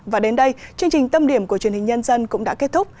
và đến đây chương trình tâm điểm của truyền hình nhân dân cũng đã kết thúc